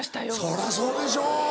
そりゃそうでしょう